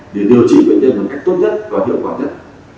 để điều trị bệnh nhân một cách tốt nhất và hiệu quả nhất